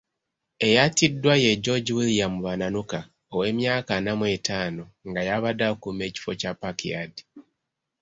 Eyattiddwa ye George William Bananuka ow'emyaka ana mu etaano nga y'abadde akuuma ekifo kya Park yard.